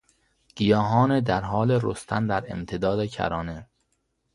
گیاهان در حال رستن در امتداد کرانه